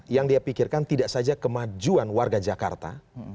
yang dia pikirkan tidak saja kemajuan warga jakarta